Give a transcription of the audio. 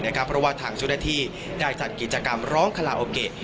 เพราะว่าทางชุดนาทีได้จัดกิจกรรมร้องคลาโอเกะ